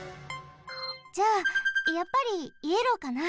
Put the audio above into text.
じゃあやっぱりイエローかな。